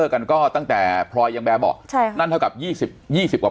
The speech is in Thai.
กันก็ตั้งแต่พลอยยังแบบอ๋อใช่นั่นเท่ากับยี่สิบยี่สิบกว่า